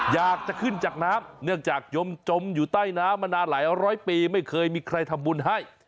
อยากจะขึ้นจากน้ำเนื่องจากยมจมอยู่ใต้น้ำมานานหลายร้อยปีไม่เคยมีใครทำบุญให้